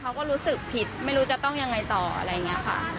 เขาก็รู้สึกผิดไม่รู้จะต้องยังไงต่ออะไรอย่างนี้ค่ะ